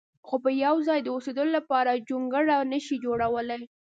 خو په یو ځای د اوسېدلو لپاره جونګړه نه شي جوړولی.